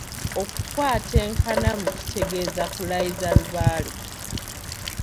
Okukwata enkanamu kitegeeza kulayiza lubaale.